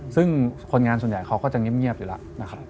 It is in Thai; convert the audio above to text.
ซึ่งคนงานส่วนใหญ่เขาก็จะเงียบอยู่แล้วนะครับ